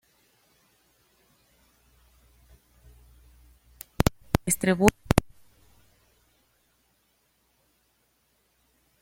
Se distribuyen por el sur, el sudeste y el este de Asia.